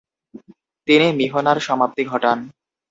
তিনি মিহনার সমাপ্তি ঘটান।